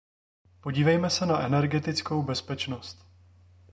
Podívejme se na energetickou bezpečnost.